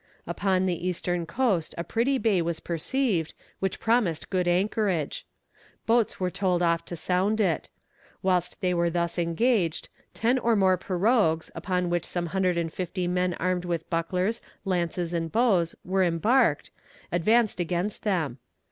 Upon the eastern coast a pretty bay was perceived, which promised good anchorage. Boats were told off to sound it. Whilst they were thus engaged, ten or more pirogues, upon which some hundred and fifty men armed with bucklers, lances, and bows, were embarked, advanced against them.